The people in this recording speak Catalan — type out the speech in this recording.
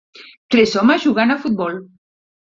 Tres homes jugant a futbol.